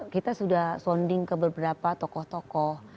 kita sudah sonding ke beberapa tokoh tokoh